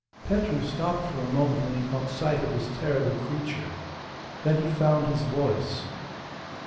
Petru stopped for a moment when he caught sight of this terrible creature. Then he found his voice.